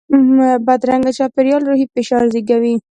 بدرنګه چاپېریال روحي فشار زیږوي